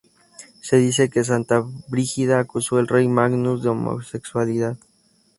Se dice que Santa Brígida acusó al rey Magnus de homosexualidad.